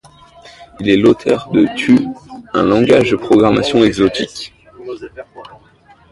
Il est l'auteur de Thue, un langage de programmation exotique.